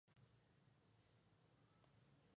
Vendôme fue una ciudad importante durante la Edad Media.